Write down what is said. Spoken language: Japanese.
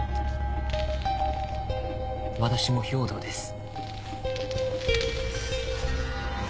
私も兵働です。